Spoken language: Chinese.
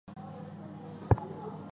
曾担任汉口中国银行行长。